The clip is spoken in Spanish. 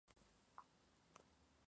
Se trata de su primera publicación.